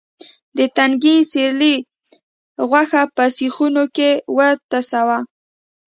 د تنکي سېرلي غوښه په سیخونو کې وټسوه.